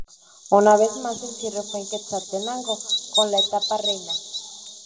Una vez más el cierre fue en Quetzaltenango, con la etapa reina.